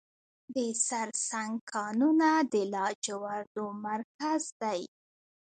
د سرسنګ کانونه د لاجوردو مرکز دی